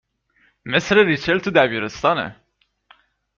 !مثل ریچل تو دبیرستانه